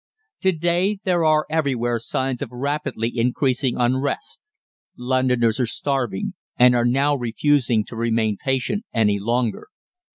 "To day, there are everywhere signs of rapidly increasing unrest. Londoners are starving, and are now refusing to remain patient any longer.